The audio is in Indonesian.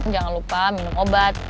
jangan lupa minum obat